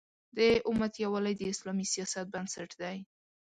د امت یووالی د اسلامي سیاست بنسټ دی.